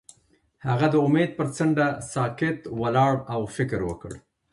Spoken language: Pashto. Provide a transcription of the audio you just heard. هغه د امید پر څنډه ساکت ولاړ او فکر وکړ.